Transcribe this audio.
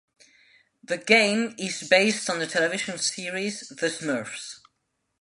The game is based on the television series, "The Smurfs".